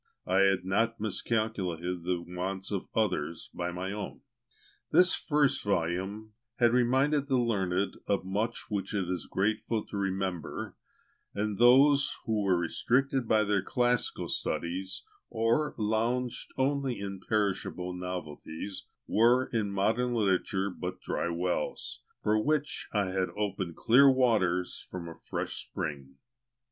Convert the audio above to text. I had not miscalculated the wants of others by my own. This first volume had reminded the learned of much which it is grateful to remember, and those who were restricted by their classical studies, or lounged only in perishable novelties, were in modern literature but dry wells, for which I had opened clear waters from a fresh spring.